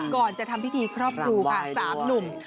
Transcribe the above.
ก่อนจะทำพิธีครอบครูค่ะ๓หนุ่ม